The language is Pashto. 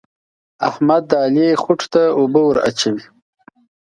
احمد د علي خوټو ته اوبه ور اچوي.